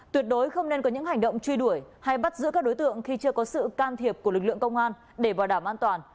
tuyệt đối không nên có những hành động truy đuổi hay bắt giữ các đối tượng khi chưa có sự can thiệp của lực lượng công an để bảo đảm an toàn